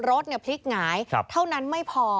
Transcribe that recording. รถพลิกหงายเท่านั้นไม่พอ